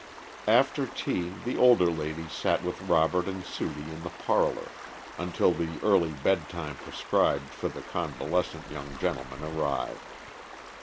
After tea the older ladies sat with Robert and Sudie in the parlor, until the early bed time prescribed for the convalescent young gentleman arrived.